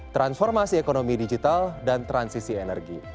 transformasi ekonomi digital dan transisi energi